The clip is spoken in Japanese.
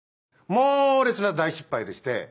「猛烈な大失敗でして」